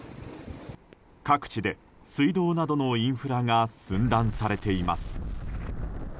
各地で、水道などのインフラが寸断されています。